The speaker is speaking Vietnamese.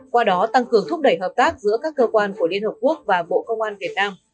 qua đó tăng cường thúc đẩy hợp tác giữa các cơ quan của liên hợp quốc và bộ công an việt nam